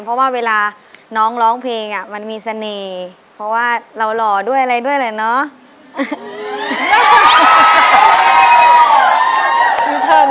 เพราะว่าเวลาน้องร้องเพลงมันมีเสน่ห์เพราะว่าเราหล่อด้วยอะไรด้วยแหละเนาะ